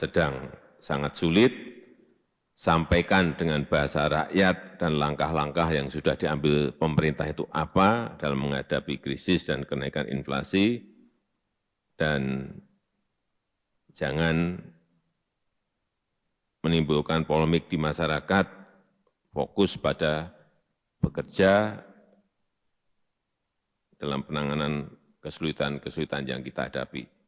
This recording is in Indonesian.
dalam penanganan kesulitan kesulitan yang kita hadapi